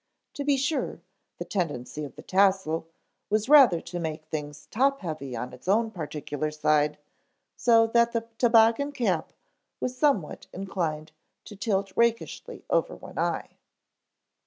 To be sure, the tendency of the tassel was rather to make things topheavy on its own particular side, so that the toboggan cap was somewhat inclined to tilt rakishly over one eye.